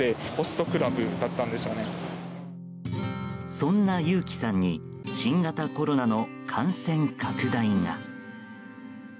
そんなユウキさんに新型コロナの感染拡大が。